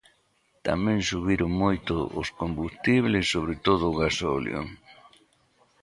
Tamén subiron moito os combustibles, sobre todo o gasóleo.